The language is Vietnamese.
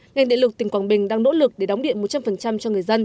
ngành điện lực tỉnh quảng bình đang nỗ lực để đóng điện một trăm linh cho người dân